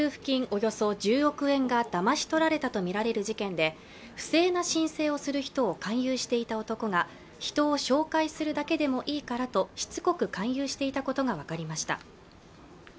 およそ１０億円がだまし取られたとみられる事件で不正な申請をする人を勧誘していた男が人を紹介するだけでもいいからとしつこく勧誘していたことが分かりました